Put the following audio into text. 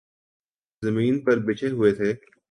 زمین پر بچھے ہوئے تھے۔